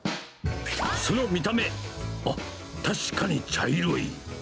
その見た目、あっ、確かに茶色い。